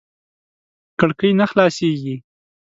کړکۍ نه خلاصېږي .